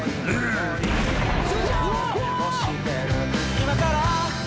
「今から」